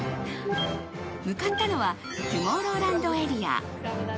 向かったのはトゥモローランドエリア。